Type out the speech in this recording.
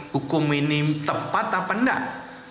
hukum ini tepat apa enggak